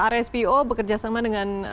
rspo bekerja sama dengan